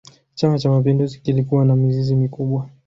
chama cha mapinduzi kilikuwa na mizizi mikubwa